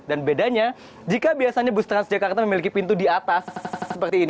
dan bedanya jika biasanya bus transjakarta memiliki pintu di atas seperti ini